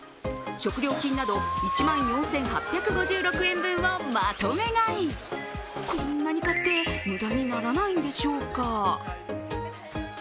食料品など１万４８５６円をまとめ買いこんなに買って無駄にならないんでしょうか。